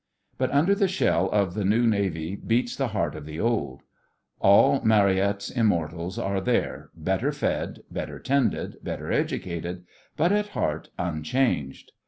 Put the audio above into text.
But under the shell of the new Navy beats the heart of the old. All Marryat's immortals are there, better fed, better tended, better educated, but at heart unchanged.